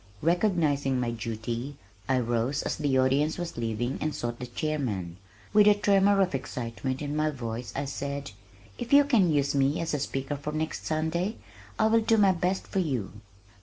Recognizing my duty I rose just as the audience was leaving and sought the chairman. With a tremor of excitement in my voice I said, "If you can use me as a speaker for next Sunday I will do my best for you."